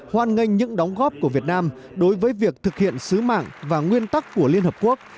hoan nghênh những đóng góp của việt nam đối với việc thực hiện sứ mạng và nguyên tắc của liên hợp quốc